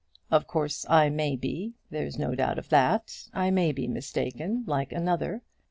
"Of course, I may be; there's no doubt of that. I may be mistaken, like another.